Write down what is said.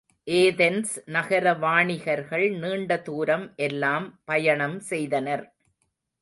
Athens நகர வாணிகர்கள் நீண்டதுாரம் எல்லாம் பயணம் செய்தனர்.